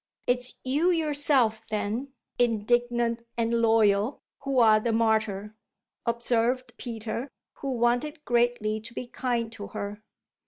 "It's you yourself then, indignant and loyal, who are the martyr," observed Peter, who wanted greatly to be kind to her.